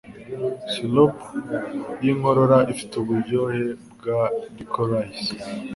Sirup yinkorora ifite uburyohe bwa licorice.